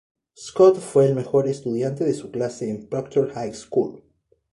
Scott fue el mejor estudiante de su clase en Proctor High School.